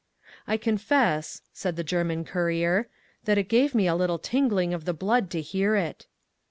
I confess (said the German courier) that it gave me a little tingling of the blood to hear it.